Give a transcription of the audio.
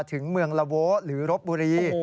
ถึงเมืองละโว้หรือรบบุรี